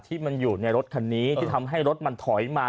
ที่มันอยู่ในรถคันนี้ที่ทำให้รถมันถอยมา